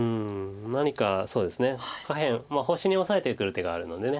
何かそうですね下辺星にオサえてくる手があるので下辺。